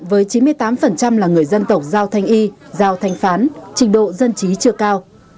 với chín mươi tám là người dân tổng giao thanh y giao thanh phán trình độ dân trí chưa cao